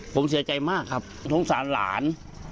ผมเสียใจมากครับสงสารหลาน